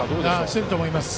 していると思います。